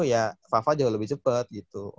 ya fafa jauh lebih cepet gitu